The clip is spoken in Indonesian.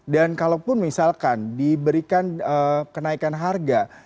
dan kalaupun misalkan diberikan kenaikan harga